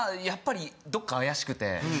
やっぱりどっか怪しくて。